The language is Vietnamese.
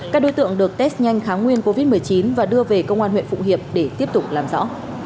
các đối tượng được test nhanh kháng nguyên covid một mươi chín và đưa về công an huyện phụng hiệp để tiếp tục làm rõ